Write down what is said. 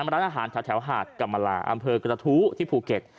ร้านอาหารแถวหาดกรรมลาอำเภอกระทู้ที่ภูเก็ต